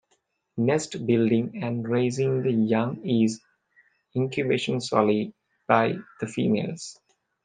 Nest building and raising the young is incubation solely by the females.